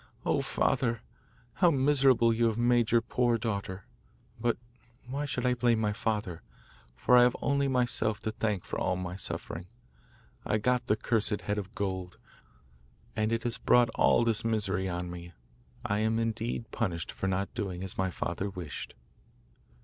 Oh! father, how miserable you have made your poor daughter! But, why should I blame my father? for I have only myself to thank for all my sufferings. I got the cursed head of gold, and it has brought all this misery on me. I am indeed punished for not doing as my father wished!